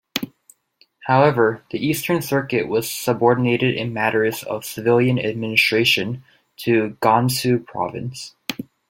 However, the Eastern Circuit was subordinated in matters of civilian administration to Gansu Province.